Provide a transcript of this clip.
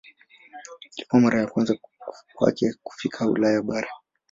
Ilikuwa mara ya kwanza kwake kufika Ulaya bara.